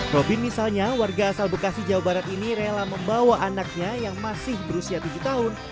robin misalnya warga asal bekasi jawa barat ini rela membawa anaknya yang masih berusia tujuh tahun